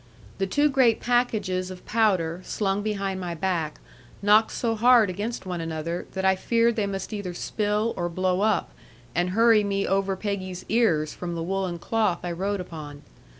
The two great packages of powder, slung behind my back, knocked so hard against one another that I feared they must either spill or blow up, and hurry me over Peggy's ears from the woollen cloth I rode upon.